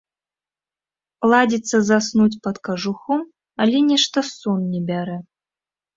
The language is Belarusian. Ладзіцца заснуць пад кажухом, але нешта сон не бярэ.